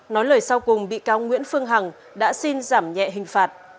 nói lời sau cùng bị cáo nguyễn phương hằng đã xin giảm nhẹ hình phạt